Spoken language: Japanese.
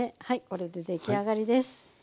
これで出来上がりです。